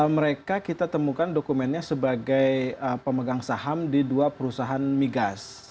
mereka kita temukan dokumennya sebagai pemegang saham di dua perusahaan migas